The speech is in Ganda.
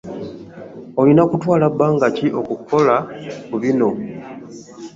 Olina kutwala bbanga ki okukola ku bino?